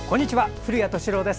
古谷敏郎です。